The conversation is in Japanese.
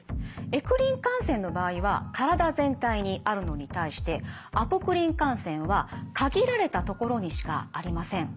エクリン汗腺の場合は体全体にあるのに対してアポクリン汗腺は限られたところにしかありません。